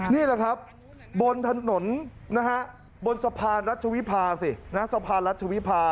นี่แหละครับบนถนนบนสะพานรัชวิพาสิ